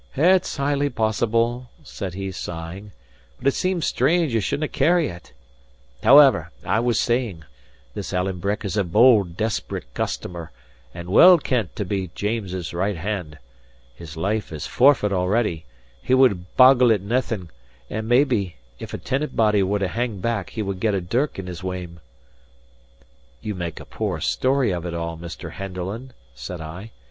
"It's highly possible," said he, sighing. "But it seems strange ye shouldnae carry it. However, as I was saying, this Alan Breck is a bold, desperate customer, and well kent to be James's right hand. His life is forfeit already; he would boggle at naething; and maybe, if a tenant body was to hang back he would get a dirk in his wame." "You make a poor story of it all, Mr. Henderland," said I.